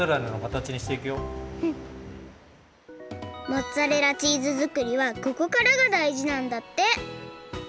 モッツァレラチーズ作りはここからがだいじなんだって。